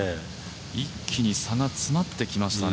一気に差が詰まってきましたね。